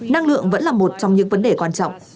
năng lượng vẫn là một trong những vấn đề quan trọng